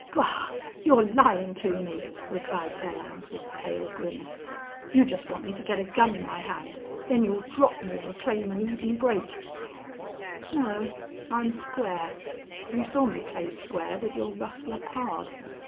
"Bah! You're lying to me," replied Belllounds, with pale grimace. "You just want me to get a gun in my hand then you'll drop me, and claim an even break." "No. I'm square. You saw me play square with your rustler pard.